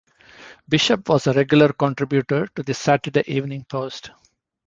Bishop was a regular contributor to "The Saturday Evening Post".